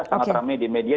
sangat rame di media